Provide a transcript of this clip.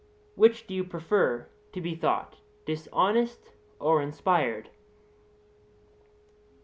Which do you prefer to be thought, dishonest or inspired?